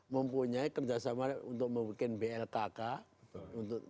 mempunyai kerjasama untuk membuat blkk